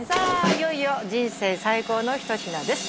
いよいよ人生最高の一品です